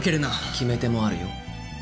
決め手もあるよ。